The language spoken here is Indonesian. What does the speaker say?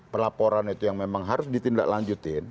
pelaporan itu yang memang harus ditindaklanjutin